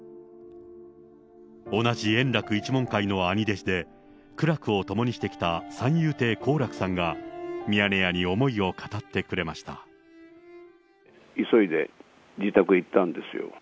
同じ円楽一門会の兄弟子で、苦楽をともにしてきた三遊亭好楽さんがミヤネ屋に思いを語ってく急いで自宅へ行ったんですよ。